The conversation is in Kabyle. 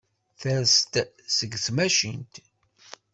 Ters-d seg tmacint.